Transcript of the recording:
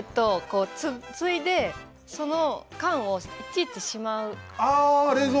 ついで、その缶をいちいちしまう。